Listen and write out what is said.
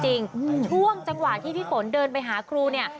ช่วงจังหวะที่พี่ฝนเดินไปหาครูเนี่ย